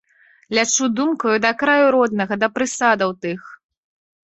Лячу думкаю да краю роднага, да прысадаў тых.